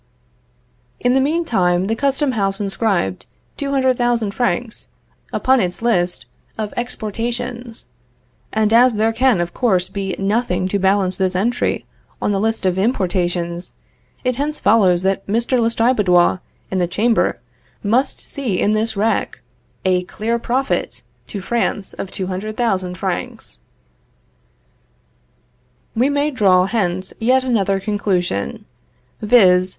_" In the meantime the custom house inscribed 200,000 francs upon its list of exportations, and as there can of course be nothing to balance this entry on the list of importations, it hence follows that Mr. Lestiboudois and the Chamber must see in this wreck a clear profit to France of 200,000 francs. We may draw hence yet another conclusion, viz.